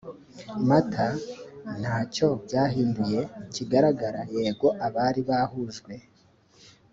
mata nta cyo byahinduye kigaragara yego abari bahujwe